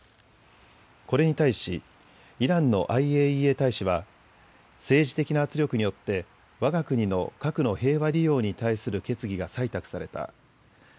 これに対しイランのＩＡＥＡ大使は政治的な圧力によってわが国の核の平和利用に対する決議が採択された。